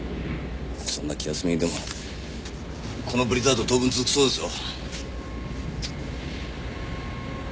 そんな気休め言うてもこのブリザード当分続くそうですよ・